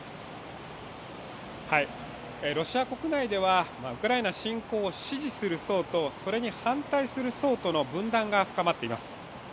ロシア国内ではウクライナ侵攻を支持する層とそれに反対する層との分断が深まっています。